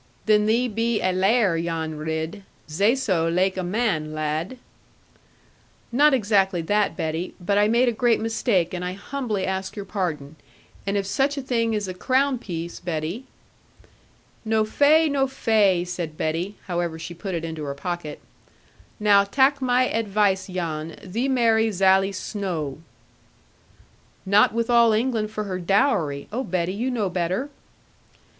'Then thee be a laiar, Jan Ridd. Zay so, laike a man, lad.' 'Not exactly that, Betty; but I made a great mistake; and I humbly ask your pardon; and if such a thing as a crown piece, Betty' 'No fai, no fai!' said Betty, however she put it into her pocket; 'now tak my advice, Jan; thee marry Zally Snowe.' 'Not with all England for her dowry. Oh, Betty, you know better.'